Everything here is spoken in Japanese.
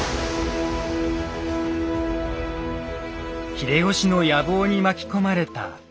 秀吉の野望に巻き込まれた家康。